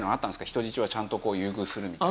人質はちゃんと優遇するみたいな。